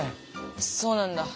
そうなんだ。